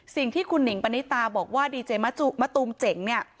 สิ่งที่คุณหนิงปณิตาบอกว่าดีเจมะตูมเจ๋งเนี่ย